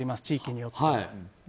地域によって。